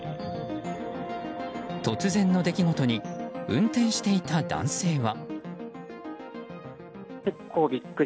突然の出来事に運転していた男性は。